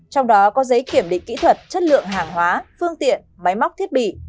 trong đó có giấy kiểm định kỹ thuật chất lượng hàng hóa phương tiện máy móc thiết bị